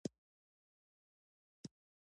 که څه هم د فلورایډ موښلو په څېر اوسنۍ درملنه